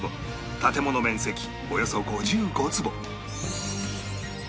建物面積およそ５５坪